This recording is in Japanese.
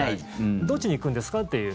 どっちに行くんですか？という。